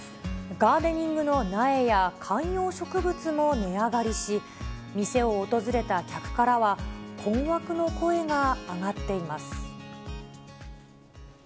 ガーデニングの苗や観葉植物も値上がりし、店を訪れた客からは、困惑の声が上がっています。